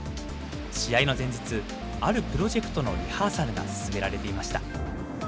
試合の前日、あるプロジェクトのリハーサルが進められていました。